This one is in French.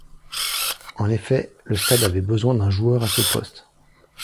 En effet, le Stade avait besoin d'un joueur à ce poste.